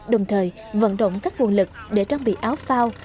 đồng thời vận động các nguồn lực để trang bị áo phao